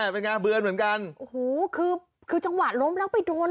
เป็นงานเบือนเหมือนกันโอ้โหคือคือจังหวะล้มแล้วไปโดน